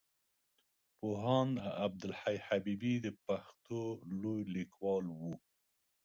پوهاند عبدالحی حبيبي د پښتو لوی ليکوال وو.